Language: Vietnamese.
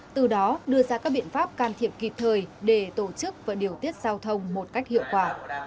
từ đó đưa ra các biện pháp can thiệp kịp thời để tổ chức và điều tiết giao thông một cách hiệu quả